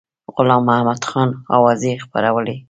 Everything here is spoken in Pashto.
غلام محمدخان اوازې خپرولې.